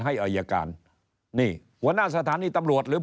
ให้อัยการ